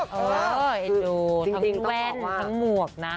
คือดูทั้งแว่นทั้งหมวกนะ